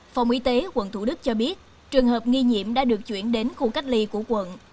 phòng y tế quận thủ đức cho biết trường hợp nghi nhiễm đã được chuyển đến khu cách ly của quận